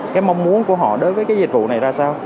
cái mong muốn của họ đối với cái dịch vụ này ra sao